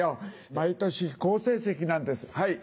毎年好成績なんですはい。